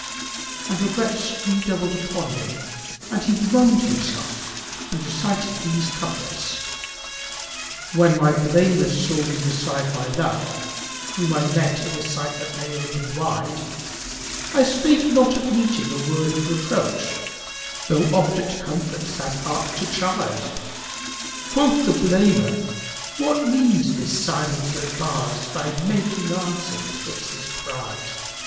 And regrets redoubled upon him and he bemoaned himself and recited these couplets, "When my blamer saw me beside my love * Whom I met in a site that lay open wide, I spake not at meeting a word of reproach * Though oft it comfort sad heart to chide; Quoth the blamer, 'What means this silence that bars * Thy making answer that hits his pride?'